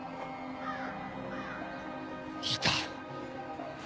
いた。